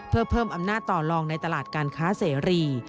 เพื่อเพิ่มอำนาจต่อลองในตลาดการค้าเสรี